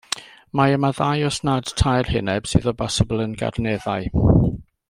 Mae yma ddau os nad tair heneb, sydd o bosibl yn garneddau.